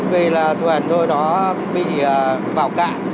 vì là thuyền thôi đó bị vào cạn